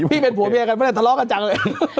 พี่เป็นผัวเบียร์กันเพราะฉะนั้นทะเลาะกันจังเลย